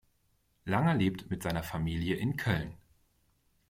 Langer lebt mit seiner Familie in Köln.